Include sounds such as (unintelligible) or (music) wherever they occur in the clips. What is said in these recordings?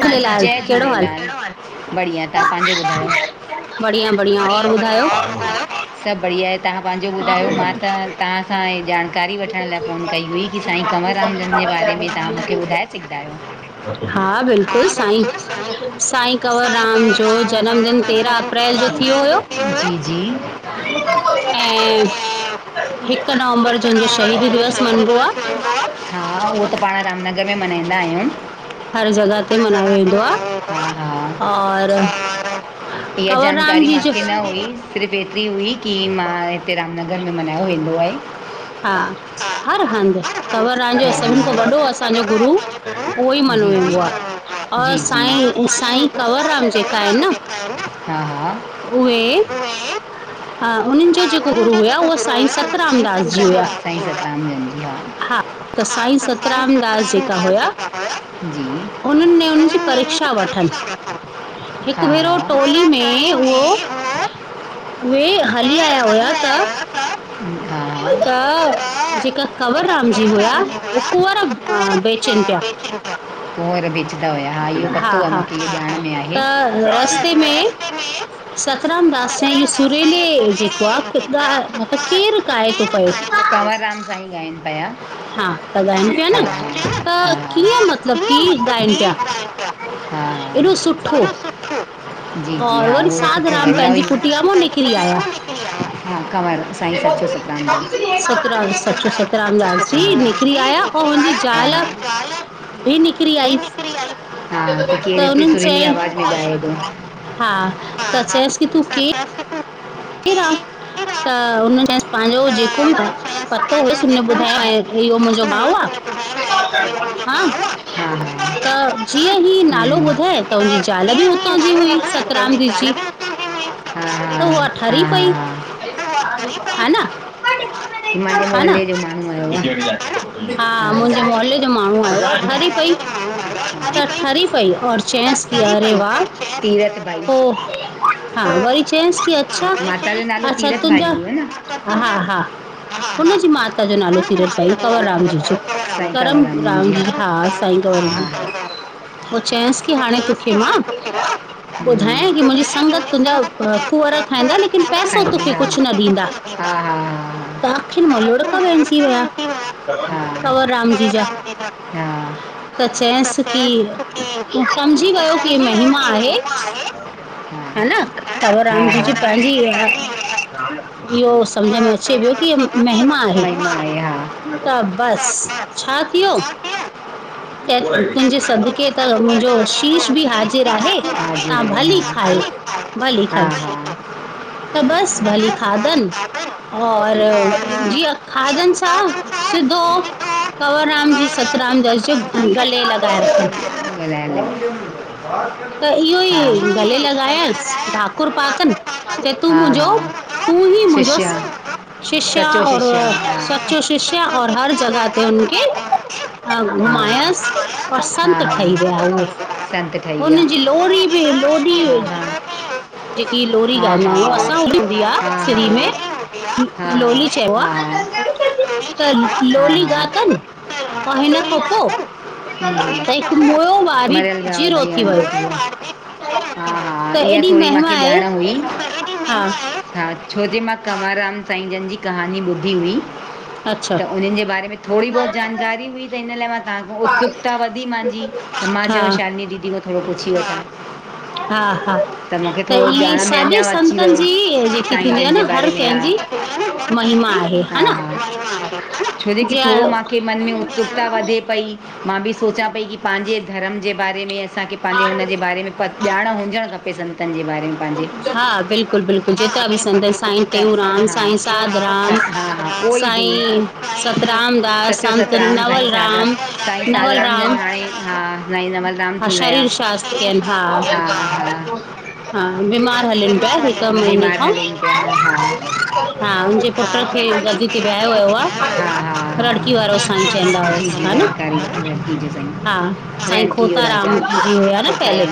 झूलेलाल कहिड़ो हाल। बढ़िया-बढ़िया और ॿुधायो? सभ बढ़िया आहे। तव्हां पंहिंजो ॿुधायो? मां त तव्हांसां ह जानकारी वठण लाइ फ़ोन कई हुई। की आूं तय पपा चार मिट द र हां, बिल्कुल साईं, साईं कंवर राम जो जनमदिन तेरहां अप्रैल जो थियो हुयो। जी-जी। ऐं हिकु नवंबर जो हुनो शहीदी दिवस मञिबो आहे। हां, उहो त पाण रामनगर में मल्हाईंदा आहियूं। हर जॻह हां। इहा जानकारी मूंखे न हुई, सिर्फ़ एतिरी हुई की मां हिते रामनगर में मल्हायो वेंदो आहे। हां, हर हंधि, कंवर रान जो सभिनि खां वॾो असांजो गुरु उहो ई मञो वेंदो आहे। र साईं, साईं कंवरराम जेका आहिन न। हां-हां। उहेे हां, उन्हनि जो जेको गुरू हुआ, उह साईं सत रामदास जी हुया। हां, त साईं सतराम दास जेका हुया। उन्हनि में उन्हनि जी परीक्षा वठनि। हिकु भेरो टोली में उहो उहे हली आया हुया। त हां। त, जेका कंवर राम जी हुया। उ कुआर हां, बेचन पिया। उअर बि हां-हां, त रस्ते में सतराम दस स इहो सुरीेले जेको आहे। केर काए थो पियो। कंवराम साई ॻाइ हां, त ॻाइनि पिया न। त, कीअं मतलब की ॻाइनि पिया। एॾो सुठो। और वरी साध राम पंहिंजी कुटिया मां निकिरी आया। हां, कंवराम सताम सचो, सतरामदास। जी निकिरी आया। ऐं हुनजी ज़ाल बि निक करी आई। त हुनन्हनि चयोए हां, त चयस थी की तूं के हे र त हुन पंहिंजो जेको बि पतो होयसि हुन ॿुधायो इहो मुंहिंजो गओ आहे। हा। हां-हां। त, जीअं ह नालो ॿुधाए, त हुनजी ज़ाल बि हुतां जी हुई, सतराम जी जी त, उहा ठह पई। हा न, हा न हां, मुंहिंजे मोहले जो माण्हू आहे। हरी पई, त ठरी पई। और चैस क अरे! वाह। पोइ, हां, वरी अच्छा अच्छा तुंहिंजा हा हा हुनजी माता जो नालो तिरथ भाई कंवर राम जी जो करम राम जी हा साईं कँवर राम जी। पोइ चेस की हाणे तोखे मां ॿुधायां की मुंहिंजी संगत तुंहिंजा कुअर खाईंदा लेकिन पैसो तोखे कुछ न ॾींदा। दाखिन मुलोड़का वेणची वया। कवर राम जी जा। त चयस की त समझी वियो की महिमा आहे। हन कंवर राम जी जी पंहिंजी इहो सम्झ में अचे पियो की महिमा आहे त बस छा थियो। (unintelligible) त तुंहिंजे सदके त मुंहिंजो शीश भी हाजिर आहे तव्हां भली खायो। हा हा त बस भली खाधन और जीय खादन। छा सिधो कंवर राम जी सतराम जस जो। गले लॻाइण। (unintelligible) त इहो ई गले लॻायांस भाकुर पातन त तूं मुंहिंजो तूं ई मुझो शिष्य आ और सचो शिष्य औ हर जॻह ते उनखे ह घुमायस पसंत ठही विया उहे। हुनजी जी लोरी बि लोॾी हुई। जेकी लोरी ॻाईंदा आहियूं असां ईंदी आ सिरी में लोली चयो आ। त लोली ॻाथन अउं हिनखां पो (unintelligible) हा हा इहा थोड़ी माखे ॼाण हुई। हा छो जे मां कंवरराम साईंजन जी कहानी ॿुधी हुई। त उन्हन जे बारे में थोड़ी बहुत जानकारी हुई त हिन ला मां तव्हां खां उतसुकता वधी मांजी त मां चयो शालनी दीदी खां थोड़ो पुछी वठां। हा हा त इहे साॼे संतन जी जेकी थींदी आ न हर कंहिंजी महिम आहे हन जिय उत्सुकता वधे पई मां बि सोचां पई की पांजे धर्म जे बारे में असांखे पांजे हुनजे बारे में प ॼाण हुजण खपे संतन जे बारे में पांजे (unintelligible) कोई बि सचो सत राम साईं साजा साईं साधराम जन आहे हा। नाई नवलधाम थी विया हा ह हा बीमार हले थ्या हा मुंहिंजे पुट खे गदी ते व्यायो वयो आ लड़की वारो पन चईदा हुयस हा न (unintelligible) साईं खोताराम जी हुया न पहले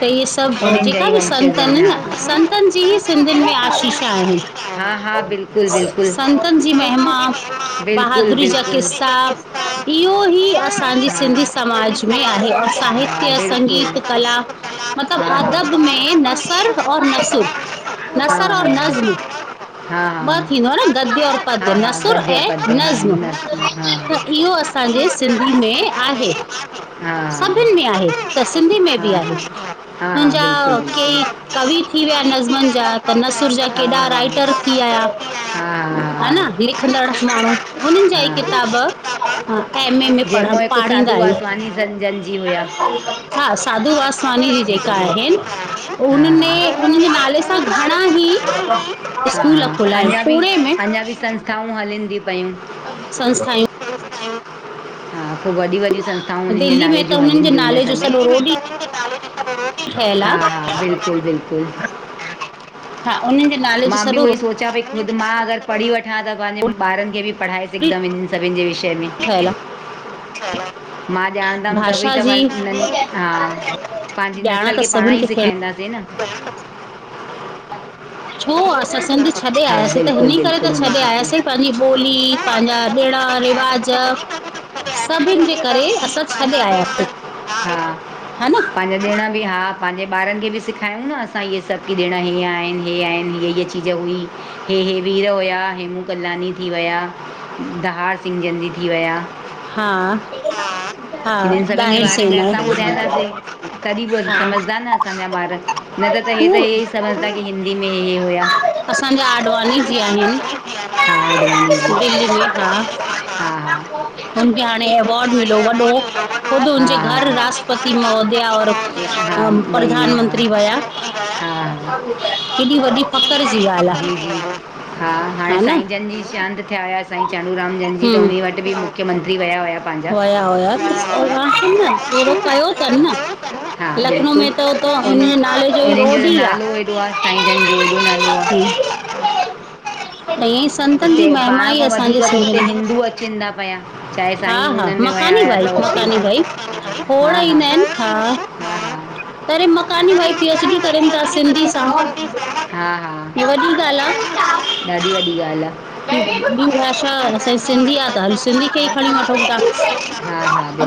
त ईये सब जेका बि संत आहिन न संतन जी ई सिंधियुन में आशीष आहे। संतन जी महिमा बहादुुरी जा किससा। इहो ई, असांजी सिंधी समाज में आहे। साहित्य, संगीत, कला मतलब अदब में नसर और नसर, नसर औ नज़्म। ॿ थींदो आहे न। गद्य और पद नसर ऐं नज़्म। इहो असांजे सिंधी में आहे। सभिनन में आहे। त सिंधी में बि आहे। मुंहिंजा केई कवि थी विया नज़मनि जा। त नसर जा केॾा राइटर थी विया। हा न। लिखंदड़ माण्हू, हुननन जा ई किताब, एम ए में पढ़ पढ़ींदा आहिन। हानीज़नजन जी हुया। हां, साधू वासवणानी जी जेका आहिन। हुने, उनन जे नाले सां घणा ई, हां, अञा बि, अञा बि संस्थाऊं हलन थी पयूं। संस्थाऊं हां, पोइ वॾी वॾियूं सन त उनि जे नाले जूं हलिन्न बियूं न सघे। हां-हां, बिल्कुल-बिल्कुल। हां, उन जे मां बि उहोई सोचियां पई, ख़ुदि मां अगर पढ़ी वठां त पंहिंजे, ॿारन खे बि पढ़ाए सघां। हिकदम, इ सभिनि जे विषय में। मां ॼाणंदम, त बि त हां, पंहिंजी नसल खे पाण ई सेखारींदासीं न। छो असां असां सिंध छॾे आयासीं। त हिनन करे, त छॾे आयासीं। पंहिंजी ॿोली, पंहिंजा ॾिण रिवाज सभिनन जे करे। असां छॾे आयासे। हां, पंज ॾिण बि, हां, पंहिंजे ॿारन खे बि सेखारियूं न, असां इहे सभ कि ॾिण इीअ आहिन। इीअ आहिन। हीअ हीअ चीज हुई। हे-हे वीर हुया। हेमू कल्याानी थी विया। दह हां-हां, बाहर एस (inaudible) असांजा, आडवाणी जी आहिन। (inaudible) हुनखे हाणे अवॉड मिलियो वॾो। ख़ुदि उजे घर राष्ट्रपति महोदय और अ प्रधान मंत्री वया। एॾी वॾी फ़क्र जी ॻाल्हि आहे। हां, हाणे साईं जन जी शांति थिया हुया। साईं चांडूरामजन जी त उ वटि बि मुख्यंमणतरी विया हुया। वया होया। न अहिड़ो कयो अथन न। हां, बिल्कुल, उन उन्हन जो त नालो हेएॾो आहे। साईं जन जो हेॾो नालो आहे। त ईअं ई, संतनि जी महिमा ई असांजे सिंध में वो अचन था। हां-हां, मकानी भाई, मकानी भाई, खोड़ ईंदा आहिन। हां। परे मकानी भई, पी एच डी करन था। सिंधी सां यां वॾी ॻाल आहे। डड़ी वॾी ॻाल्हि आहे। भिऊ भाषा, सिंधी आ त हल सिंधी खे ई खणी वठूं था।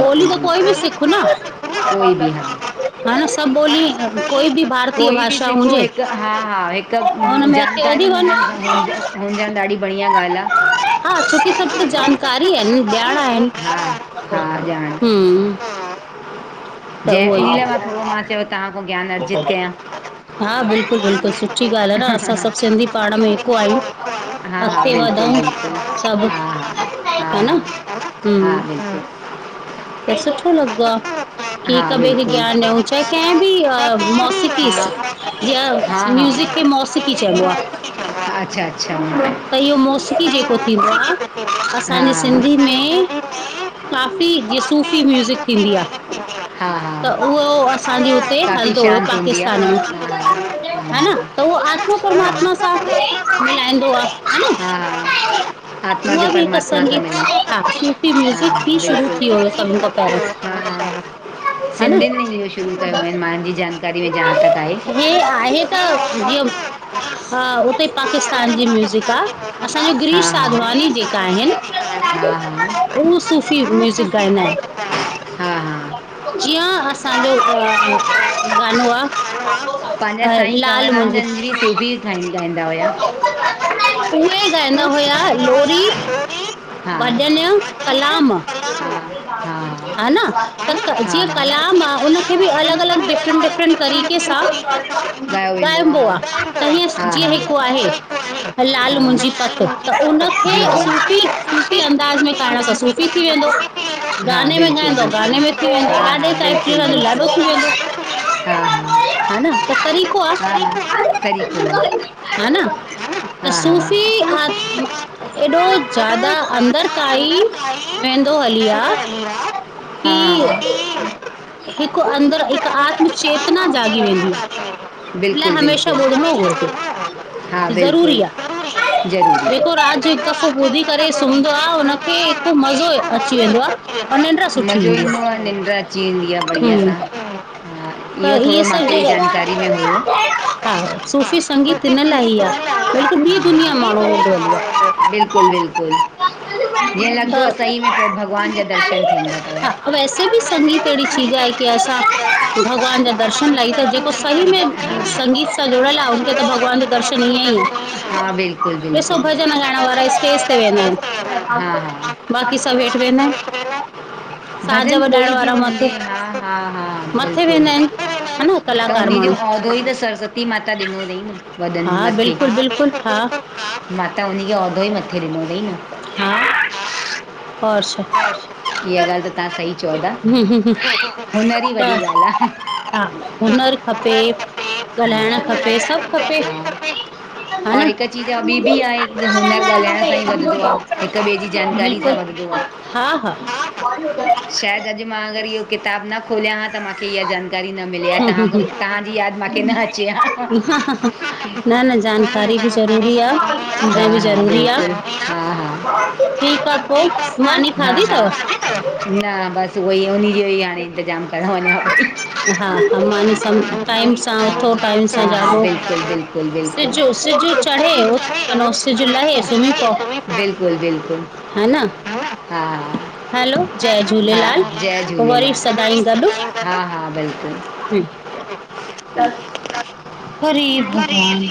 ॿोली त कोई बि सिख न। (unintelligible) ह! ह! न सभु बोली कोई बि सिखो हिकु हा! हा! हिकु जानकारी हुजणु हुनज ॾाढी बढ़िया ॻाल्हि आ। हा! छोकी सभु त जानकारी आहिन। ॼाणा आहिन। ह! जं इन्ह लाइ, मां थोॾो मां चयो, तव्हां खां ज्ञान अर्जित कयां। हा! बिल्कुलु, बिल्कुलु! सुठी ॻाल्हि आहे। न असां सभु सिंधी पाण में हिकु आहियूं। अॻिते वधऊ, सभ हान हूं, त सुठो लाग्दो आहे। की कभे इ, ज्ञान नऊ चाहे। कंहिं बि अ मौसक़ी, या म्यूज़िक के मौस की चयबो आ। त इहो मोसीक़ी जेको थींदो आहे। असांजी सिंधी में काफी सूफ़ी म्यूज़िक थींदी आ। त उहो असांजे हुते, हलंदो हुयो। पाकिस्तान में। हा! न त उहो आत्मा परमात्मा सां मिलाईंदो आहे। हा! (inaudible) आत्मा बि परमात्मा सय हा! हा! बिल्कुलु, (inaudible) सिंधियुनि में इहो शुरू कयो मुंहिंजुनि जी जानकारी में जहां तक आहे। हे आहे त जीअं उते पाकिस्तान जी म्यूज़िक आहे। असांजो गरीश साधवानी जेका आहिनि। उहो सूफ़ी म्यूज़िक गाईंदा आहिनि। हा हा जीअं असांजो गानो आहे। लाल मुंहिंजी उहे गाइंदा हुया लोरी भॼन, कलाम हा न त जीअं कलाम आहे उ खे बि अलॻि -अलॻि डिफरेंंट- डिफरेंंट तरीक़े सां ॻाइबो आहे त हीअं जीअं हिकु आहे लाल मुंहिंजी पत त उनखे सूफ़ी सूफ़ी अंदाज़ में करण सां सूफ़ी थी वेंदो। गाने में गाईंदो गाने में थी वेंदो ॾाॾे टाइप जी ॾाॾो थी वेंदो। हा न त तरी को आहे हा न त सफ़ी आ एॾो ज्यादा अंदर काई ई वेंदो हली आ की हिकु अंदर हिकु आत्म चेतना जागी वेंदी आहे। लाइ हमेशा बुधणो घुरजे ज़रूरी आहे। जेको रात जो हिकु दफ़ो ॿुधी करे सुमंदो आहे हुनखे हिकु मज़ो अची वेंदो आ। मज़ो ईंदो आहे निंड अची वेंदी आहे बढ़िया सां। त इहे सभु जे हा सूफ़ी संगीत हिन लाइ ई आहे बिल्कु ॿी दुनिया माण्हू वेंदो हली आहे। बिल्कुलु बिल्कुलु जीअं लॻंदो सही में पियो भॻवान जा दर्शन थींदा अथव। वैसे बि संगीत अहिड़ी चीज आहे की असां भॻवान जा दर्शन लाइ त जेको सही में। संगीत सां जुड़ल आहे उनखे त भॻवान जो दर्शन ई आ ई ॾिसो भॼन गाइण वारा स्टेज ते वेंदा आहिन। हा- हा भजन कोई बि हुजे, हा हा हा, बिल्कुलु। त उन जो ओहदो ई त सरस्वती माता ॾिनो अथईं न वॾनि मथे। माता उन खे ओहदो ई मथे ॾिनो अथई न। हा हा (unintelligible) और छा? इहा ॻाल्हि त तां सही चओ था हुनर ई वॾी ॻाल आ। हा हुनरु खपे, ॻाल्हाइण खपे, सभु खपे। हा न, बिल्कुलु। हा हा शायदि अॼु मां अगरि इहो किताबु न खोलियां हा त मूंखे इहा जानकारी न मिली आं, तव्हांखे तव्हांजी यादि मूंखे न अचे अच (unintelligible) ह ह ह (unintelligible) हा हा, न बसि उहो ई, उन जो ई हाणे इंतज़ाम करणो वंञा पई। हा हा, बिल्कुलु बिल्कुल बिल्कुलु। चो आहे बिल्कुलु बिल्कुलु। हा न हा हा जय झूलेलाल, हा हा बिल्कुलु ी (inaudible) ह (inaudible) हरे भॻवान!